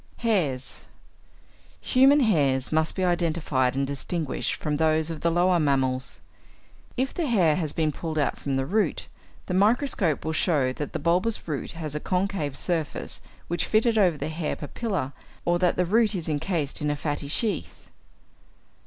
=Hairs.= Human hairs must be identified and distinguished from those of the lower mammals. If the hair has been pulled out from the root, the microscope will show that the bulbous root has a concave surface which fitted over the hair papilla, or that the root is encased in a fatty sheath.